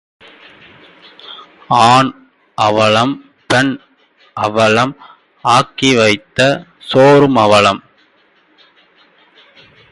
ஆண் அவலம், பெண் அவலம், ஆக்கி வைத்த சோறும் அவலம்.